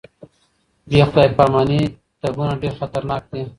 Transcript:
بې خدای پاماني تګونه ډېر خطرناک دي.